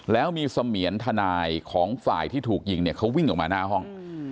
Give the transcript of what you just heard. แล้วมีเสมียนทนายของฝ่ายที่ถูกยิงเนี่ยเขาวิ่งออกมาหน้าห้อง